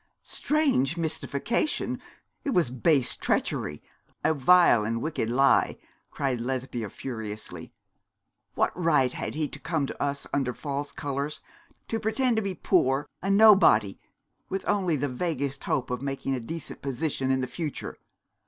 'Strange mystification! It was base treachery a vile and wicked lie!' cried Lesbia, furiously. 'What right had he to come to us under false colours, to pretend to be poor, a nobody with only the vaguest hope of making a decent position in the future?